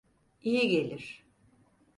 İyi gelir.